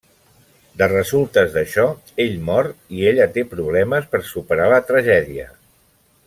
De resultes d'això, ell mor i ella té problemes per superar la tragèdia.